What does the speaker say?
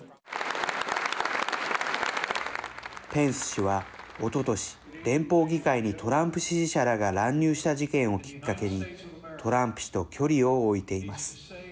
ペンス氏は、おととし連邦議会にトランプ支持者らが乱入した事件をきっかけにトランプ氏と距離を置いています。